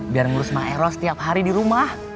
biar ngurus maero setiap hari di rumah